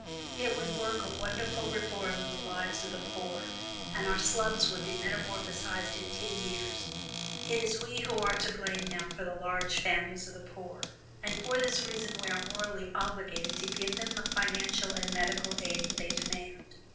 It would work a wonderful reform in the lives of the poor, and our slums would be metamorphosed in ten years. It is we who are to blame now for the large families of the poor, and for this reason we are morally obligated to give them the financial and medical aid that they demand.